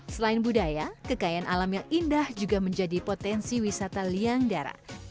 selain budaya kekayaan alam yang indah juga menjadi potensi wisata liangdara